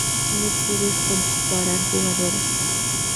No puedes comparar jugadores.